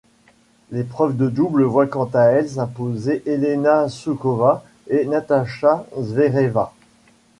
L'épreuve de double voit quant à elle s'imposer Helena Suková et Natasha Zvereva.